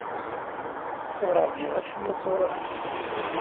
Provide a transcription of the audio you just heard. Ur ṛjiɣ acemma sɣur-k.